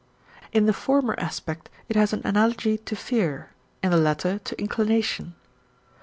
In the former aspect it has an analogy to fear, in the latter to inclination.